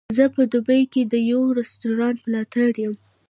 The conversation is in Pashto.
زه په دوبۍ کې د یوه رستورانت ملاتړی یم.